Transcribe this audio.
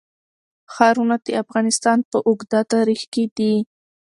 ښارونه د افغانستان په اوږده تاریخ کې دي.